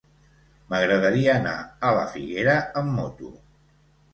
M'agradaria anar a la Figuera amb moto.